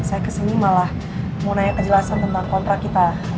saya kesini malah mau nanya kejelasan tentang kontrak kita